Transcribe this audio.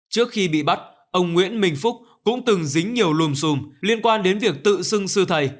trước khi bị bắt ông nguyễn minh phúc cũng từng dính nhiều lùm xùm liên quan đến việc tự xưng sư thầy